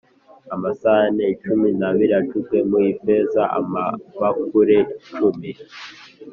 amasahani cumi n abiri acuzwe mu ifeza amabakure cumi